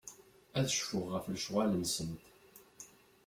Ad cfuɣ ɣef lecɣal-nsent.